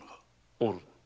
おる。